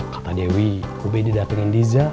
kata dewi ubed didatingin diza